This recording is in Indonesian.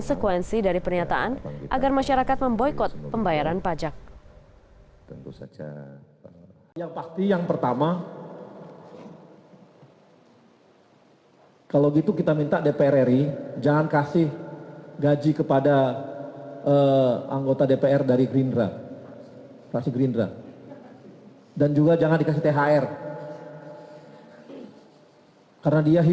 sekretariat dpr ri